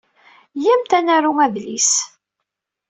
Iyyamt ad d-naru adlis.